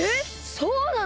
そうなの！？